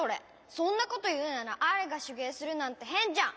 そんなこというならアイがしゅげいするなんてへんじゃん！